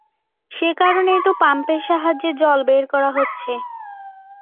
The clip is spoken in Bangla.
সেকারণেই তো পাম্পের সাহায্যে জল বের করা হচ্ছে।